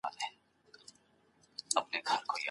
دویمه برخه د اړتیا وړ مواد او وسیلې برابرول دي.